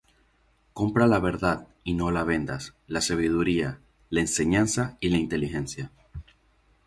Compra la verdad, y no la vendas; La sabiduría, la enseñanza, y la inteligencia.